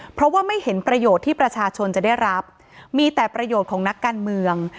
เพราะว่าไม่เห็นประโยชน์ที่ประชาชนจะได้รับมีแต่ประโยชน์ของนักการเมือง